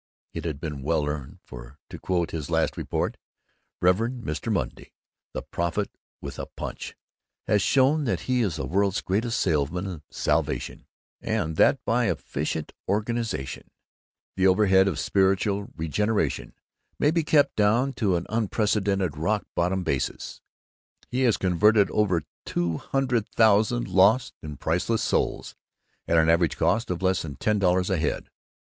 It had been well earned, for, to quote his last report, "Rev. Mr. Monday, the Prophet with a Punch, has shown that he is the world's greatest salesman of salvation, and that by efficient organization the overhead of spiritual regeneration may be kept down to an unprecedented rock bottom basis. He has converted over two hundred thousand lost and priceless souls at an average cost of less than ten dollars a head."